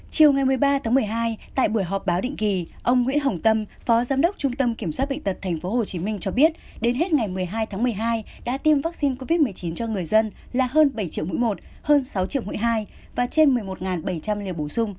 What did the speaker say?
chiều ngày một mươi ba tháng một mươi hai tại buổi họp báo định kỳ ông nguyễn hồng tâm phó giám đốc trung tâm kiểm soát bệnh tật tp hcm cho biết đến hết ngày một mươi hai tháng một mươi hai đã tiêm vaccine covid một mươi chín cho người dân là hơn bảy triệu mũi một hơn sáu triệu mũi hai và trên một mươi một bảy trăm linh liều bổ sung